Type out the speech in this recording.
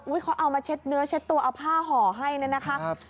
อุ๊ยเขาเอามาเช็ดเนื้อเช็ดตัวเอาผ้าห่อให้นะครับ